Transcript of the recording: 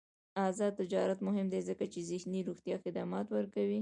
آزاد تجارت مهم دی ځکه چې ذهني روغتیا خدمات ورکوي.